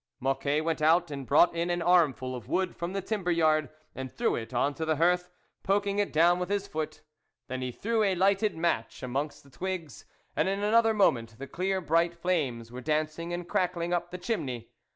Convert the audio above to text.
Mocquet went out and brought in an armful of wood from the timber yard, and threw it on to the hearth, poking it down with his foot ; then he threw a lighted match among the twigs, and in another moment the clear bright flames were dancing and crackling up the chimney.